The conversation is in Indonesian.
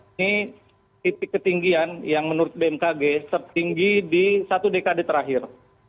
ini titik ketinggian yang menurut bmkg tertinggi di satu dekade terakhir